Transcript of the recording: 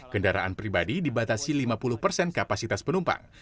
kendaraan pribadi dibatasi lima puluh persen kapasitas penumpang